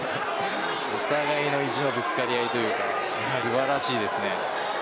お互いの意地のぶつかり合いというか素晴らしいですね。